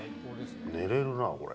寝れるな、これ。